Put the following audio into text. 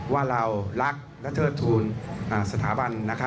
ว่าเรารักและเทิดทูลสถาบัน